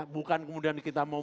bukan kemudian kita mau